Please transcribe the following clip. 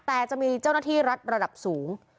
แต่จะมีเจ้าหน้าที่รัฐระดับสูง